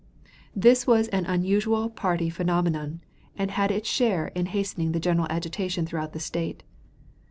This was an unusual party phenomenon and had its share in hastening the general agitation throughout the State.